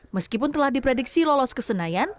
meskipun telah diprediksi lolos ke senayan